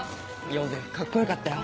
ヨーゼフカッコよかったよ。